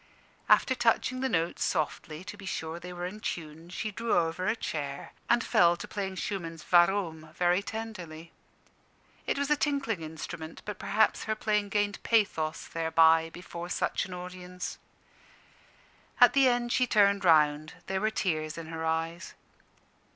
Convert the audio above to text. After touching the notes softly, to be sure they were in tune, she drew over a chair, and fell to playing Schumann's "Warum?" very tenderly. It was a tinkling instrument, but perhaps her playing gained pathos thereby, before such an audience. At the end she turned round: there were tears in her eyes.